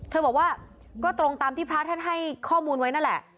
บอกว่าก็ตรงตามที่พระท่านให้ข้อมูลไว้นั่นแหละ